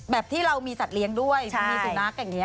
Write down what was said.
ที่เรามีสัตว์เลี้ยงด้วยมันมีสุนัขอย่างนี้